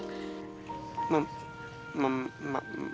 aku gak bakal maksa kamu kalau untuk pulang